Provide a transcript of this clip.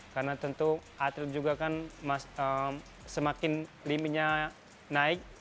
karena tentu atlet juga kan semakin limitnya naik